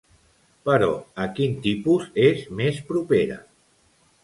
Però a quin tipus és més propera?